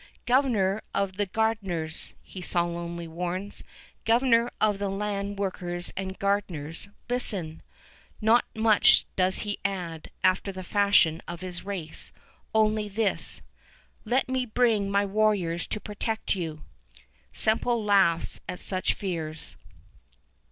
"Governor of the gard'ners!" he solemnly warns; "governor of the land workers and gard'ners, listen! ..." Not much does he add, after the fashion of his race. Only this, "Let me bring my warriors to protect you!" Semple laughs at such fears.